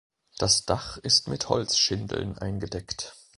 Das Dach ist mit Holzschindeln eingedeckt.